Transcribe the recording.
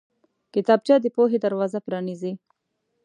کتابچه د پوهې دروازه پرانیزي